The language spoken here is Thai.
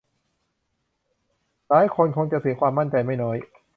หลายคนคงจะเสียความมั่นใจไม่น้อย